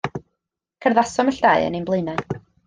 Cerddasom ill dau yn ein blaenau.